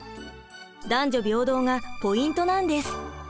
男女平等がポイントなんです。